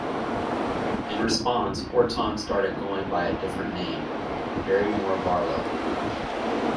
In response, Orton started going by a different name, Barrymore Barlow.